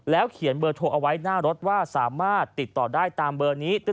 เขียนเบอร์โทรเอาไว้หน้ารถว่าสามารถติดต่อได้ตามเบอร์นี้